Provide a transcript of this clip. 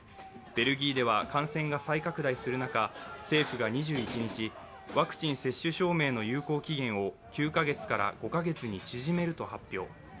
ベルギーでは感染が再拡大する中政府が２１日ワクチン接種証明の有効期限を９カ月から５カ月に縮めると発表。